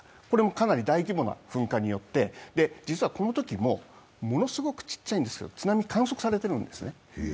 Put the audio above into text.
これもかなり大規模な噴火によって実はこのときも、ものすごくちっちゃいんですが津波は観測されているんですね。